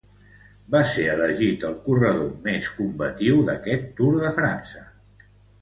Va ser elegit el corredor més combatiu d'este Tour de França.